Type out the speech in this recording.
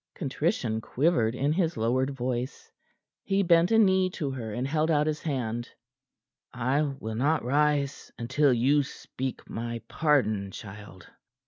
Contrition quivered in his lowered voice. He bent a knee to her, and held out his hand. "I will not rise until you speak my pardon, child."